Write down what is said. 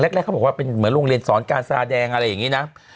แรกเขาบอกว่าเป็นเหมือนโรงเรียนสอนการซาแดงอะไรอย่างนี้นะ